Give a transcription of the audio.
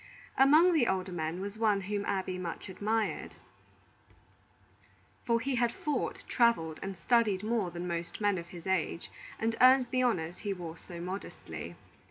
Among the older men was one whom Abby much admired; for he had fought, travelled, and studied more than most men of his age, and earned the honors he wore so modestly.